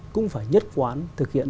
cũng phải nhất khoán thực hiện